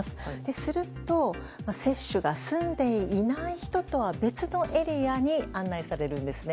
すると、接種が済んでいない人とは別のエリアに案内されるんですね。